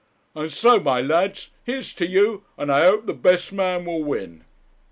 And so, my lads, here's to you, and I hope the best man will win.'